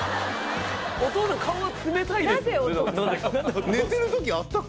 お父さん顔が冷たいなぜか・